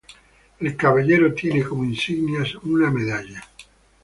El Caballero tiene como insignias una medalla.